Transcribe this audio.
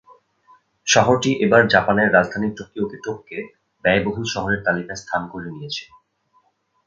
শহরটি এবার জাপানের রাজধানী টোকিওকে টপকে ব্যয়বহুল শহরের তালিকায় স্থান করে নিয়েছে।